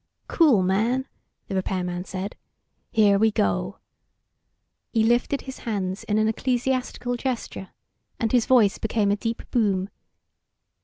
"Cool, man," the repairman said. "Here we go." He lifted his hands in an ecclesiastical gesture, and his voice became a deep boom.